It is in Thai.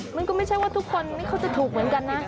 มันก็ไม่ใช่ว่าทุกคนนี่เขาจะถูกเหมือนกันนะ